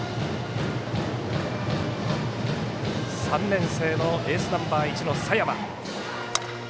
３年生のエースナンバー１の佐山。